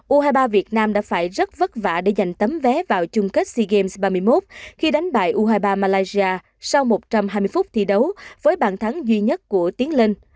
u hai mươi ba việt nam đã phải rất vất vả để giành tấm vé vào chung kết sea games ba mươi một khi đánh bại u hai mươi ba malaysia sau một trăm hai mươi phút thi đấu với bàn thắng duy nhất của tiến lên